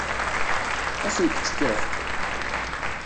Ad sent-tt-tefk?